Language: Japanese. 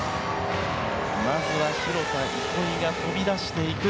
まずは廣田憩が飛び出していく。